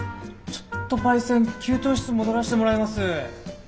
ちょっとパイセン給湯室戻らしてもらいます。